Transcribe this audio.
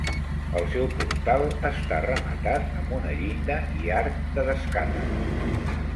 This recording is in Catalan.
El seu portal està rematat amb una llinda i arc de descàrrega.